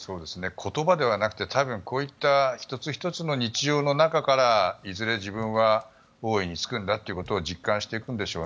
言葉ではなくてこういった１つ１つの日常の中からいずれ、自分は王位に就くんだということを実感していくんでしょう。